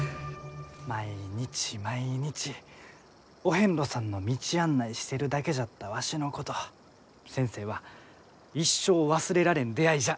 毎日毎日お遍路さんの道案内してるだけじゃったわしのこと先生は「一生忘れられん出会いじゃ」